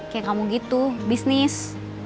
kayak kamu gitu bisnis